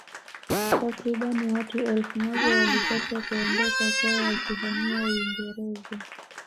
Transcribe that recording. Takriban watu elfu moja walipaswa kuondoka kwao wakihamia Uingereza